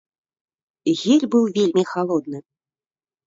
Гель быў вельмі халодны.